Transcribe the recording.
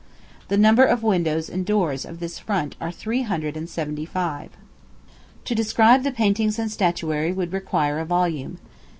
The number of windows and doors of this front are three hundred and seventy five." To describe the paintings and statuary would require a volume.